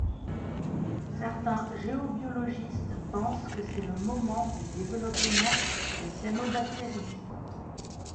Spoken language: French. Certains géobiologistes pensent que c'est le moment du développement des cyanobactéries.